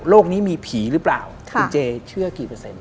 นี้มีผีหรือเปล่าคุณเจเชื่อกี่เปอร์เซ็นต